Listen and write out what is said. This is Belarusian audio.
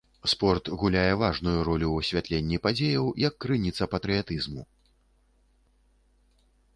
Спорт гуляе важную ролю ў асвятленні падзеяў як крыніца патрыятызму.